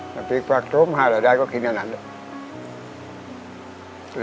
แต่พริกพักทุ่ม๕บาทได้ก็กินอย่างนั้นเลย